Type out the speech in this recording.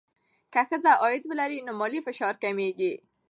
که ښځه عاید ولري، نو مالي فشار کمېږي.